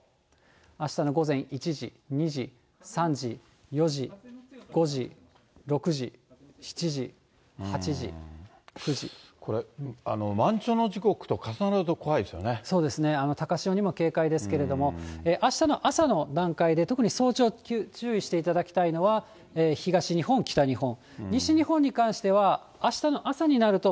あしたの午前１時、２時、３時、４時、５時、６時、７時、８時、これ、満潮の時刻と重なるとそうですね、高潮にも警戒ですけれども、あしたの朝の段階で特に早朝、注意していただきたいのは東日本、北日本。